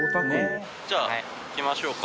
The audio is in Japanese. じゃあ行きましょうか。